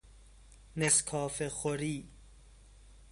نسکافه خوری